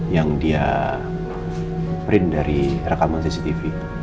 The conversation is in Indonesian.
yang dia print dari rekaman cctv